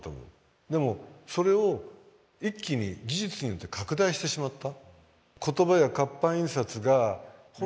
でもそれを一気に技術によって拡大してしまった。